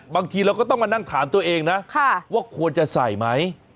บางทีเราก็ต้องมานั่งถามตัวเองนะว่าควรจะใส่ไหม